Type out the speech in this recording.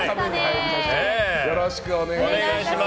よろしくお願いします。